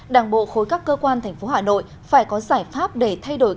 đảng bộ khối các cơ quan tp hà nội phải có giải pháp để thay đổi